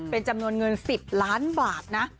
เป็นจำนวนเงิน๑๐ล้านบาทนะ